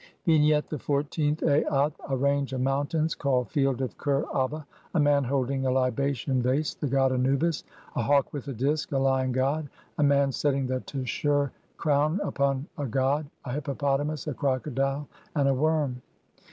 XIV. Vignette : The fourteenth Aat. A range of mountains called "Field of Kher aba", a man holding a libation vase, the god Anubis, a hawk with a disk, a lion god, a man setting the tesher crown upon a god, a hippopotamus, a crocodile, and a worm.